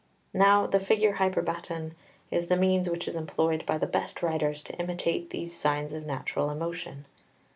Now the figure hyperbaton is the means which is employed by the best writers to imitate these signs of natural emotion.